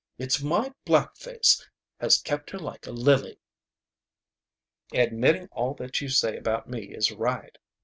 It's my black face has kept her like a lily!" "Admitting all that you say about me is right.